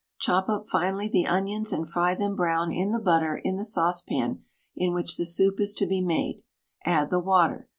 Chop up finely the onions and fry them brown in the butter in the saucepan in which the soup is to be made; add the water.